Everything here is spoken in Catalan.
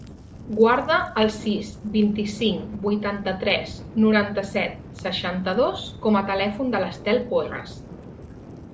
Guarda el sis, vint-i-cinc, vuitanta-tres, noranta-set, seixanta-dos com a telèfon de l'Estel Porras.